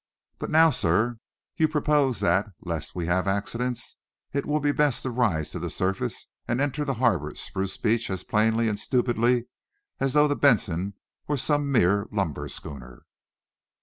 But now, sir, you propose that, lest we have accidents, it will be best to rise to the surface and enter the harbor at Spruce Beach as plainly and stupidly as though the 'Benson' were some mere lumber schooner."